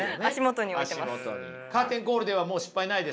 カーテンコールではもう失敗ないですか？